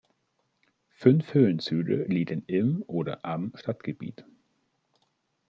Fünf Höhenzüge liegen im oder am Stadtgebiet.